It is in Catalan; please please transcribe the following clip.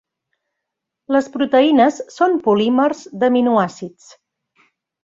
Les proteïnes són polímers d'aminoàcids.